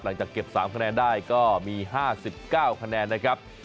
หลังจากเก็บ๓คะแนนได้ก็มี๕๙คะแนนนะครับ